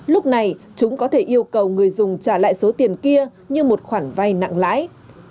lúc này chúng có thể yêu cầu người dùng trả lại số tiền kia như một khoản vay nặng lãi